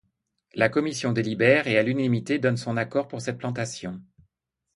La commission délibère et à l’unanimité donne son accord pour cette plantation.